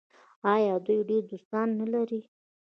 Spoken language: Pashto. آیا دوی ډیر دوستان نلري؟